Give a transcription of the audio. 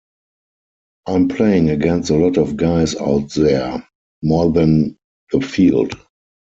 I'm playing against a lot of guys out there, more than the field.